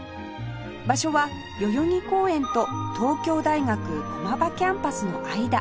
場所は代々木公園と東京大学駒場キャンパスの間